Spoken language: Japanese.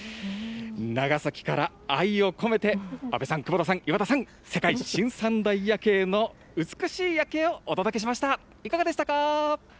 長崎から愛を込めて阿部さん、久保田さん、岩田さん、世界新三大夜景の美しい夜景をお届けしました。